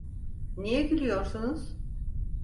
Niye gülüyorsunuz?